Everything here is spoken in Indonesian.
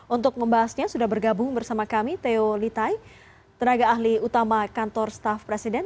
untuk membahasnya sudah bergabung bersama kami theo litai tenaga ahli utama kantor staff presiden